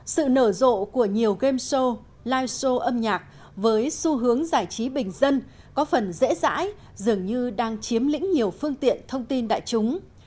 sự nở rộ của nhiều game show live show âm nhạc với xu hướng giải trí bình dân có phần dễ dãi dường như đang chiếm lĩnh nhiều phương tiện thông tin đại chúng